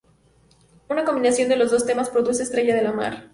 Una combinación de los dos temas produce Estrella de la Mar.